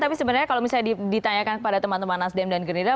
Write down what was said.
tapi sebenarnya kalau misalnya ditanyakan kepada teman teman nasdem dan gerindra